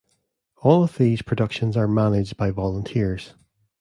All of these productions are managed by volunteers.